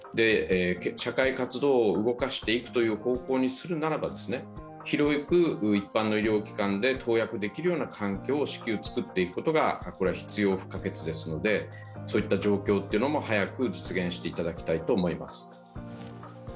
社会活動を動かしていくという方向にするならば広く一般の医療機関で投薬できるような環境を至急、作っておくことが必要不可欠ですのでそういった状況も早く実現していただきたいと思います。